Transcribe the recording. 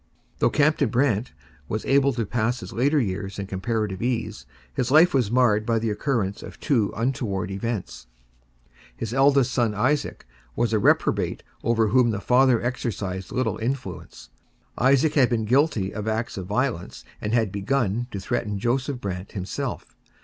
Though Captain Brant was able to pass his later years in comparative ease, his life was marred by the occurrence of two untoward events. His eldest son, Isaac, was a reprobate over whom the father exercised little influence. Isaac had been guilty of acts of violence and had begun to threaten Joseph Brant himself.